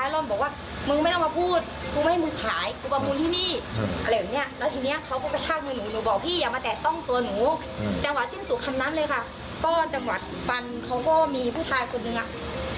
ลองตัวหนูจังหวัดสิ้นสู่คำนั้นเลยค่ะก็จังหวัดฟันเขาก็มีผู้ชายคนหนึ่งอ่ะ